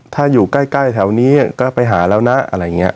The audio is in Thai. ถ้าอยู่ใกล้แถวนี้ก็ไปหาแล้วนะอะไรอย่างนี้